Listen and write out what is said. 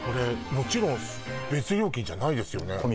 もちろん別料金じゃないですよね